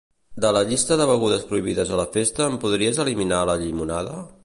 De la llista de begudes prohibides a la festa en podries eliminar la llimonada?